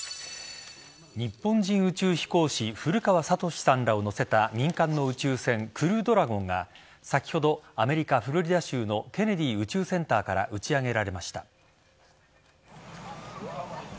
日本人宇宙飛行士古川聡さんらを乗せた民間の宇宙船「クルードラゴン」が先ほど、アメリカ・フロリダ州のケネディ宇宙センターから打ち上げられました。